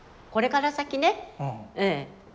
これから先ね